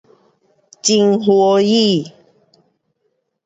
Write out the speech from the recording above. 很欢喜